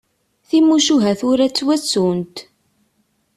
Timucuha tura ttwattunt.